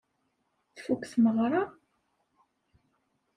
Tfuk tmeɣra?